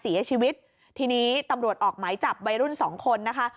เสียชีวิตทีนี้ตำรวจออกหมายจับวัยรุ่นสองคนนะคะ